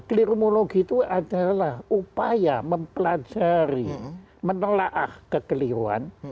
kelirumologi itu adalah upaya mempelajari menelah kekeliruan